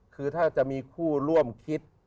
คือถ้าจะมีคู่ร่วมคิด